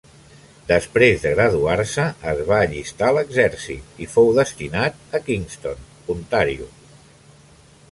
Després de graduar-se, es va allistar a l'exèrcit i fou destinat a Kingston, Ontàrio.